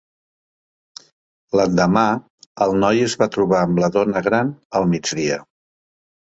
L'endemà, el noi es va trobar amb la dona gran al migdia.